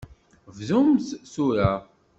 Bdum tura!